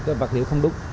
cái vật liệu không đúng